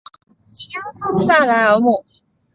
萨莱尔姆。